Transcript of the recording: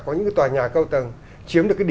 có những tòa nhà cao tầng chiếm được